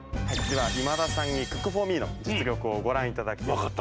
では今田さんにクックフォーミーの実力をご覧頂きます。